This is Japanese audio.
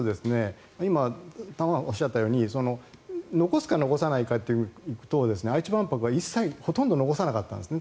今、玉川さんがおっしゃったように残すか残さないかでいうと愛知万博は一切ほとんど残さなかったんですね。